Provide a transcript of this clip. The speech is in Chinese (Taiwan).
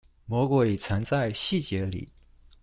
魔鬼藏在細節裡